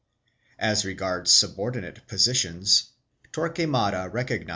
3 As regards subordinate positions, Torquemada 1 Paramo, p.